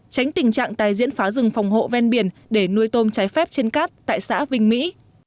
tránh tình trạng tài diễn phá rừng phòng hộ ven biển để nuôi tôm trái phép trên cát tại xã vinh mỹ